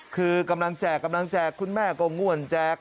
คือกำลังแจกคุณแม่ก็ง่วนแจก